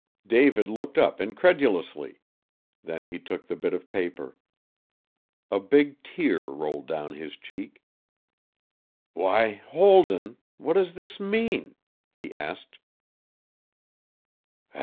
David looked up incredulously. Then he took the bit of paper. A big tear rolled down his cheek. 'Why, Holden! What does this mean?' he asked.